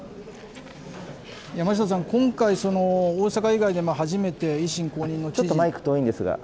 山下さん、今回、大阪以外で初めて、ちょっとマイク遠いんですが。